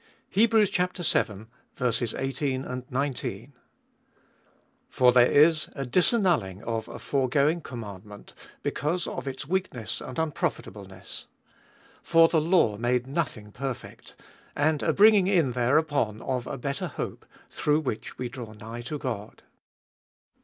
VII.— 18 For there is a disannul ling of a foregoing commandment because of its weakness and unprofitableness 19. (For the law made nothing perfect), and a bringing in thereupon of a better hope, through which we draw nigh to God.